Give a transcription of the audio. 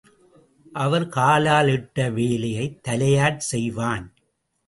அவன் காலால் இட்ட வேலையைத் தலையால் செய்வான்.